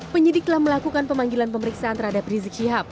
penyidik telah melakukan pemanggilan pemeriksaan terhadap rizik syihab